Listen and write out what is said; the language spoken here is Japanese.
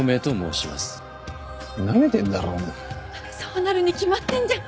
そうなるに決まってんじゃん。